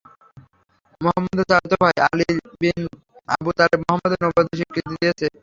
মুহাম্মাদের চাচাত ভাই আলী বিন আবু তালেব মুহাম্মাদের নবুওয়াতের স্বীকৃতি দিয়েছে।